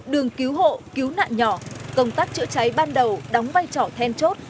đường cứu hộ cứu nạn nhỏ công tác chữa cháy ban đầu đóng vai trò then chốt